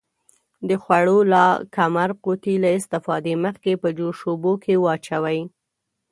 د خوړو لاکمُر قوطي له استفادې مخکې په جوش اوبو کې واچوئ.